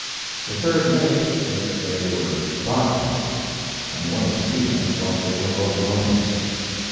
The third mate thinks they were dock engines, and one of the seamen thought they were locomotives.